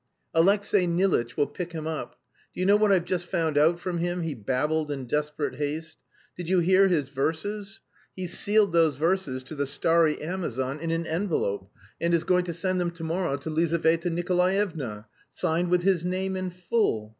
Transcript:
"Alexey Nilitch will pick him up. Do you know what I've just found out from him?" he babbled in desperate haste. "Did you hear his verses? He's sealed those verses to the 'Starry Amazon' in an envelope and is going to send them to morrow to Lizaveta Nikolaevna, signed with his name in full.